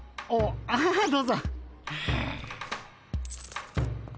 ああどうぞ。